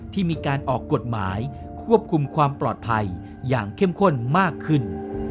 ที่มีการออกกฎหมายควบคุมความปลอดภัยอย่างเข้มข้นมากขึ้น